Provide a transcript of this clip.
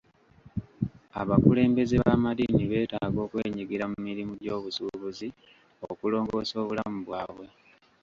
Abakulembeze b'amadiini betaaga okwenyigira mu mirimu gy'obusuubuzi okulongoosa obulamu bwabwe.